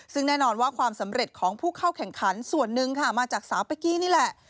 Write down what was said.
ซึ่งแน่นอนว่าความสำเร็จของผู้เข้าแข่งขันส่วนหนึ่งค่ะมาจากสาวเป๊กกี้นี่แหละ